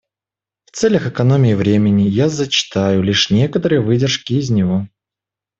В целях экономии времени я зачитаю лишь некоторые выдержки из него.